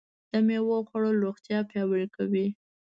د مېوو خوړل روغتیا پیاوړې کوي.